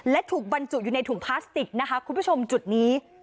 และถูกบรรจุอยู่ในถุงพลาสติกนะคะคุณผู้ชมจุดนี้